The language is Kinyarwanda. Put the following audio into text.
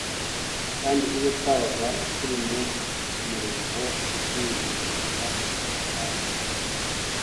kandi iyo twabaga turi mu murimo wo kubwiriza hari igihe